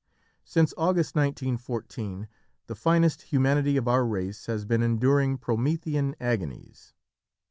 _" Since August 1914 the finest humanity of our race has been enduring Promethean agonies.